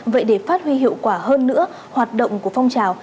vậy để phát huy hiệu quả hơn nữa hoạt động của phong trào